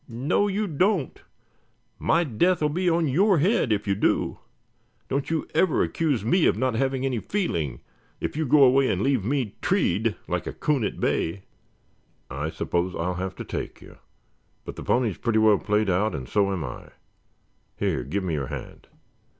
"No you don't! My death will be on your head if you do. Don't you ever accuse me of not having any feeling, if you go away and leave me treed like a coon at bay." "I suppose I'll have to take you, but the pony's pretty well played out and so am I. Here, give me your hand."